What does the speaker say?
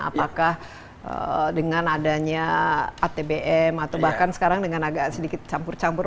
apakah dengan adanya atbm atau bahkan sekarang dengan agak sedikit campur campur